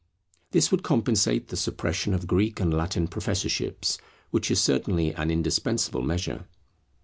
This would compensate the suppression of Greek and Latin professorships, which is certainly an indispensable measure.